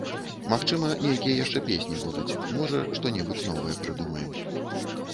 Магчыма, нейкія яшчэ песні будуць, можа, што-небудзь новае прыдумаем.